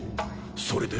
それで？